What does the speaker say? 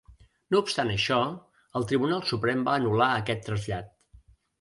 No obstant això, el Tribunal Suprem va anul·lar aquest trasllat.